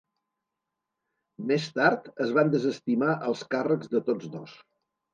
Més tard es van desestimar els càrrecs de tots dos.